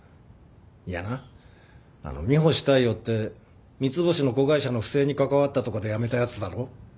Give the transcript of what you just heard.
いやなあの三星大陽って三ツ星の子会社の不正に関わったとかで辞めたやつだろ？